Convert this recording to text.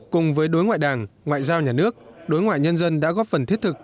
cùng với đối ngoại đảng ngoại giao nhà nước đối ngoại nhân dân đã góp phần thiết thực